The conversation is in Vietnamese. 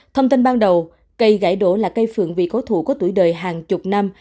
thông tin ban đầu cây gãy đổ là cây phượng vì cố thủ có tuổi đời hàng chục năm